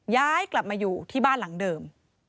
ย้ายกลับมาอยู่ที่บ้านหลังเดิม